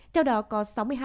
theo đó có sáu mươi hai bốn